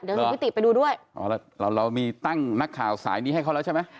เดี๋ยวส่งพี่ติไปดูด้วยอ๋อแล้วเราเรามีตั้งนักข่าวสายนี้ให้เขาแล้วใช่ไหม